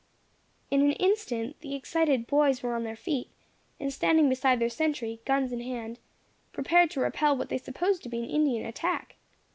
In an instant the excited boys were on their feet, and standing beside their sentry, guns in hand, prepared to repel what they supposed to be an Indian attack.